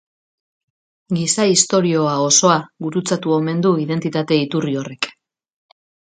Giza historia osoa gurutzatu omen du identitate-iturri horrek.